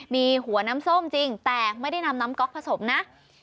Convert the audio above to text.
มีหัวน้ำส้มจริงแต่ไม่ได้นำน้ำก๊อกผสมนะ